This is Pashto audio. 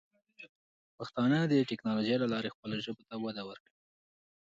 پښتانه د ټیکنالوجۍ له لارې خپلو ژبو ته وده ورکوي.